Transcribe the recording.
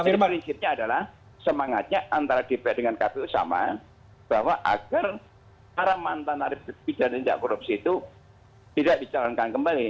jadi prinsipnya adalah semangatnya antara dpr dengan kpu sama bahwa agar para mantan daripada tindakan korupsi itu tidak dicalonkan kembali